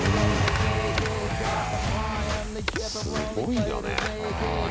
すごいよね。